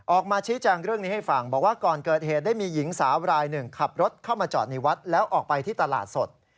ออกมาชี้แจงเรื่องนี้ให้ฟังบอกว่าก่อนเกิดเหตุได้มีหญิงสาวรายหนึ่งขับรถเข้ามาจอดในวัดแล้วออกไปที่ตลาดสด